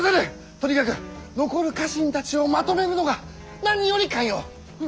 とにかく残る家臣たちをまとめるのが何より肝要。